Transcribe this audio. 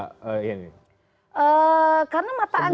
karena mata anggarannya